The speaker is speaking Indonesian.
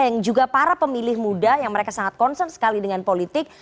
yang juga para pemilih muda yang mereka sangat concern sekali dengan politik